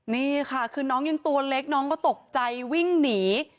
นี่ค่ะคือน้องยังตัวเล็กน้องก็ตกใจวิ่งหนี